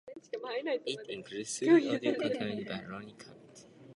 It includes three audio commentaries by Ronnie Corbett.